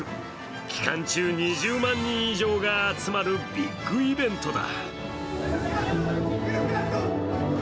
期間中、２０万人以上が集まるビッグイベントだ。